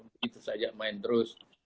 begitu saja main terus